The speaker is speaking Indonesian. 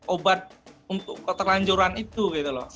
obat untuk keterlanjuran itu gitu loh